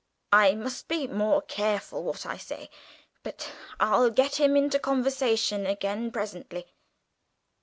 "I must be more careful what I say. But I'll get him into conversation again presently."